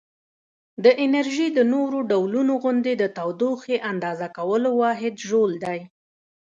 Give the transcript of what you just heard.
د انرژي د نورو ډولونو غوندې د تودوخې اندازه کولو واحد ژول دی.